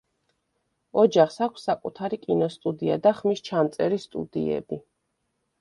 ოჯახს აქვს საკუთარი კინოსტუდია და ხმის ჩამწერი სტუდიები.